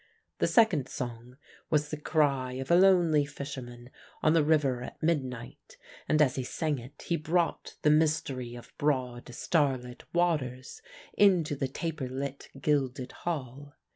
The second song was the cry of a lonely fisherman on the river at midnight, and as he sang it he brought the mystery of broad starlit waters into the taper lit, gilded hall.